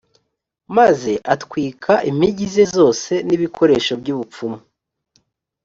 maze atwika impigi ze zose n ibikoresho by ubupfumu